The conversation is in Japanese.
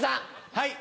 はい。